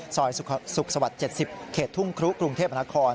ซอยสุขสวรรค์๗๐เขตทุ่งครุกรุงเทพนคร